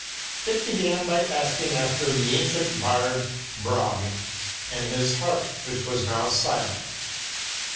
It began by asking after the ancient bard Brage and his harp which was now silent.